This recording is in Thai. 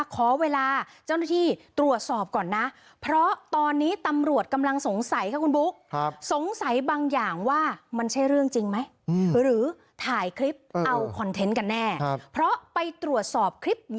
ก็เข้ามาบ้างตามมุมรอบ